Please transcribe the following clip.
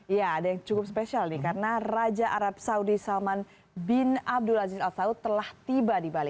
ya ada yang cukup spesial nih karena raja arab saudi salman bin abdul aziz al saud telah tiba di bali